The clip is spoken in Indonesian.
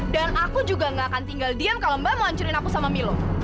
dan aku juga gak akan tinggal diam kalau mbak mau hancurin aku sama milo